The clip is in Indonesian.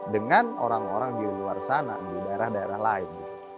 dengan orang orang di luar sana di daerah daerah lain